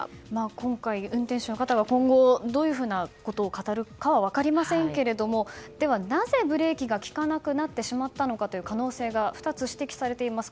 今回、運転手の方が今後どのようなことを語るかは分かりませんけれどなぜブレーキが利かなくなってしまったのかという可能性が２つ指摘されています。